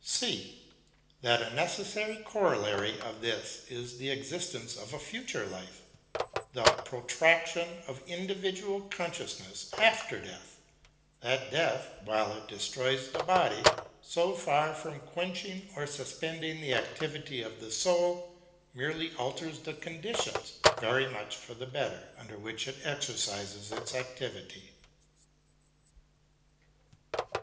BROWNING AND BUTLER 203 (c) That a necessary corollary of this is the existence of a future life, the protraction of individual consciousness after death ; that death, while it destroys the body, so far from quenching or suspending the activity of the soul, merely alters the conditions very much for the better, under which it exercises its activity.